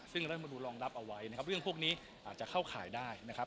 ซึ่งรัฐมนุนรองรับเอาไว้นะครับเรื่องพวกนี้อาจจะเข้าข่ายได้นะครับ